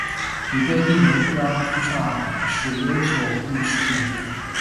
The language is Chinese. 已被定为第二批上海市优秀历史建筑。